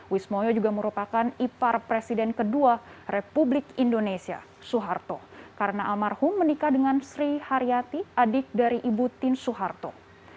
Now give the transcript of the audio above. wismoyo juga merupakan ipar presiden kedua republik indonesia suharto karena amal hum menikah dengan sri haryati adik dari ibu tin suharto